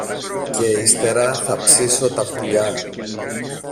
και ύστερα θα ψήσω τα πουλιά